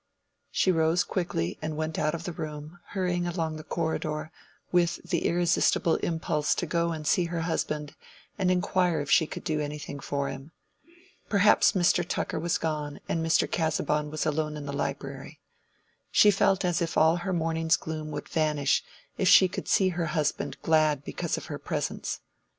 She rose quickly and went out of the room, hurrying along the corridor, with the irresistible impulse to go and see her husband and inquire if she could do anything for him. Perhaps Mr. Tucker was gone and Mr. Casaubon was alone in the library. She felt as if all her morning's gloom would vanish if she could see her husband glad because of her presence.